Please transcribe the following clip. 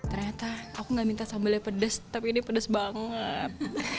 ternyata aku nggak minta sambalnya pedes tapi ini pedas banget